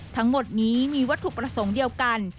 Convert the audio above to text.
ทั้งหมดนี้มีวัตถุประสงค์เดียวกัน